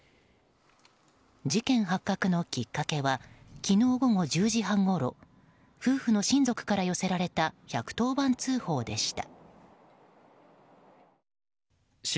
事件発覚のきっかけは昨日午後１０時半ごろ夫婦の親族から寄せられた１１０番通報でした。